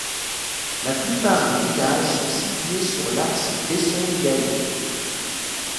La plupart des villages sont situés sur l’axe Besson-Ngaoui.